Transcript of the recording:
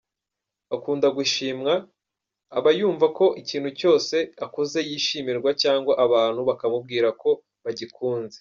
Akunda gushimwa, aba yumva ko ikintu cyose akoze yashimirwa cyangwa abantu bakamubwira ko bagikunze.